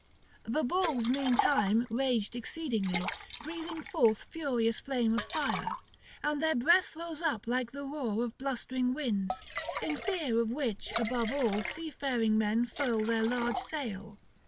The bulls meantime raged exceedingly, breathing forth furious flame of fire; and their breath rose up like the roar of blustering winds, in fear of which above all seafaring men furl their large sail.